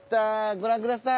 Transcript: ご覧ください。